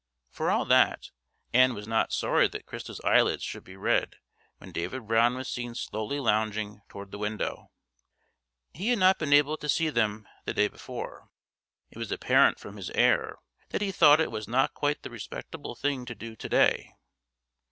For all that, Ann was not sorry that Christa's eyelids should be red when David Brown was seen slowly lounging toward the window. He had not been to see them the day before; it was apparent from his air that he thought it was not quite the respectable thing to do to day.